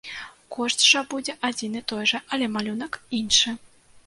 Кошт жа будзе адзін і той жа, але малюнак іншы.